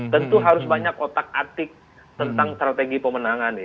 tentu harus banyak otak atik tentang strategi pemenangan